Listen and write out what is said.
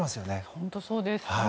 本当にそうですね。